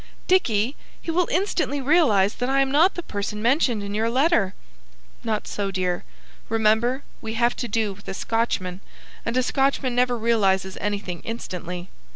'" "Dicky! He will instantly realise that I am not the person mentioned in your letter." "Not so, dear. Remember we have to do with a Scotchman, and a Scotchman never realises anything 'instantly.'